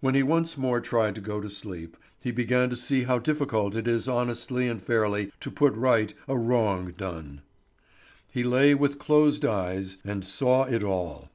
When he once more tried to go to sleep, he began to see how difficult it is honestly and fairly to put right a wrong done. He lay with closed eyes and saw it all.